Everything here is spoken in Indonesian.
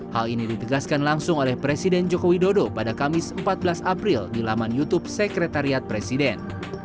hal ini ditegaskan langsung oleh presiden joko widodo pada kamis empat belas april di laman youtube sekretariat presiden